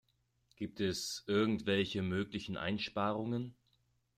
Gibt es irgendwelche möglichen Einsparungen?